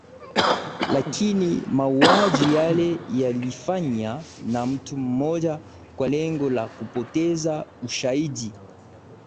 Lakini mauaji yale yalifanywa na mtu mmoja kwa lengo la kupoteza Ushahidi